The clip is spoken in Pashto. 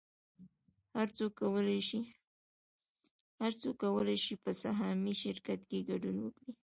هر څوک کولی شي په سهامي شرکت کې ګډون وکړي